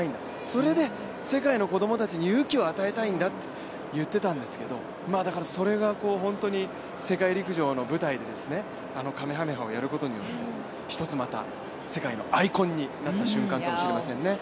それで世界の子供たちに勇気を与えたいんだと言っていたんですけれども、それが本当に世界陸上の舞台で、かめはめ波をやることによって、一つまた、世界のアイコンになった瞬間かもしれませんね。